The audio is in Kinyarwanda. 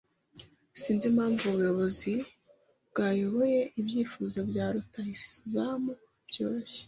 Sinzi impamvu ubuyobozi bwayoboye ibyifuzo bya rutahizamu byoroshye.